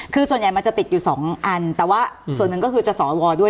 คือส่วนใหญ่มันจะติดอยู่สองอันแต่ว่าส่วนหนึ่งก็คือจะสวด้วย